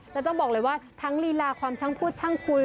แล้วต้องบอกเลยว่าทั้งลีลาความช่างพูดช่างคุย